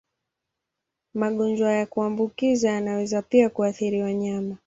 Magonjwa ya kuambukiza yanaweza pia kuathiri wanyama.